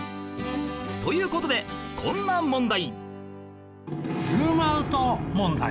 という事でこんな問題